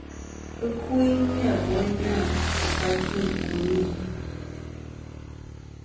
Ɨkuyn ni-a boyna va faytɨ buni.